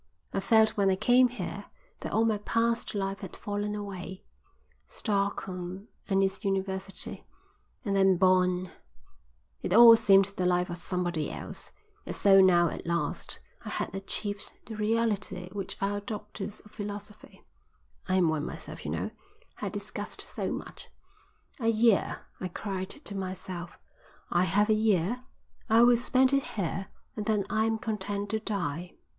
I felt when I came here that all my past life had fallen away, Stockholm and its University, and then Bonn: it all seemed the life of somebody else, as though now at last I had achieved the reality which our doctors of philosophy I am one myself, you know had discussed so much. 'A year,' I cried to myself. 'I have a year. I will spend it here and then I am content to die.'"